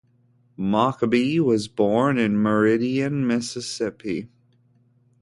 Mockbee was born in Meridian, Mississippi.